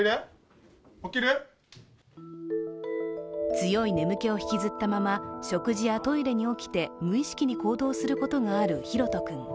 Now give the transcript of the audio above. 強い眠気を引きずったまま食事やトイレに起きて無意識に行動することがあるひろと君。